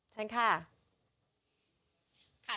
ฉันค่ะ